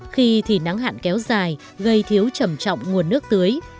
khi thì nắng hạn kéo dài gây thiếu trầm trọng nguồn nước tưới